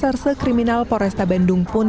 satuan reserse kriminal poresta bandung mengatakan